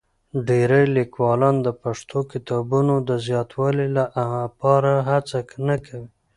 ډېری لیکوالان د پښتو کتابونو د زیاتوالي لپاره هڅه نه کوي.